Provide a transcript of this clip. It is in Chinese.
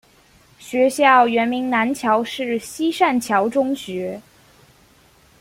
学校原名南京市西善桥中学。